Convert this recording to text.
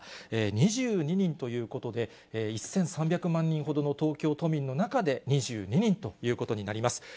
２２人ということで、１３００万人ほどの東京都民の中で２２人ということになります。